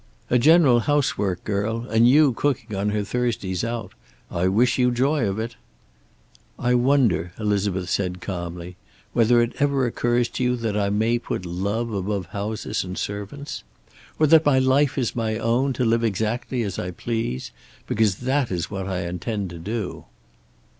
A general house work girl, and you cooking on her Thursdays out! I wish you joy of it." "I wonder," Elizabeth said calmly, "whether it ever occurs to you that I may put love above houses and servants? Or that my life is my own, to live exactly as I please? Because that is what I intend to do."